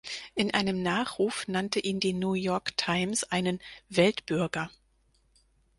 In einem Nachruf nannte ihn die New York Times einen „Weltbürger“.